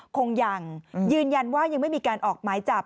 คงยังยืนยันว่ายังไม่มีการออกหมายจับ